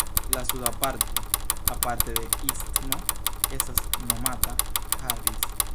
La suda parto aparte de istmo estas nomata Harris.